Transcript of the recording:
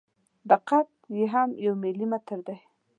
دقت یې هم یو ملي متر دی.